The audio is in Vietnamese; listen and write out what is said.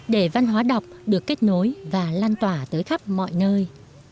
để văn hóa đọc được kết nối và lan tỏa tới khắp mọi nơi